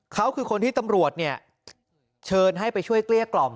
เขาคือคนที่ตำรวจเนี่ยเชิญให้ไปช่วยเกลี้ยกล่อม